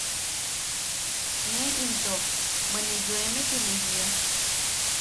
Ne into bwe “ne yoeme” ti ne jiia.